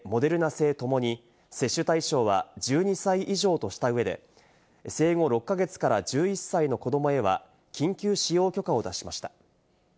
製ともに接種対象は１２歳以上とした上で生後６か月から１１歳の子どもへは緊急使用許可を出しました。